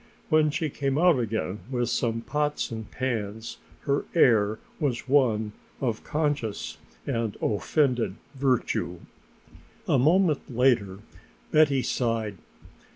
When she came out again with some pots and pans her air was one of conscious and offended virtue. A moment later Betty sighed.